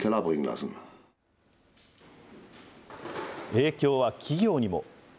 影響は企業にも。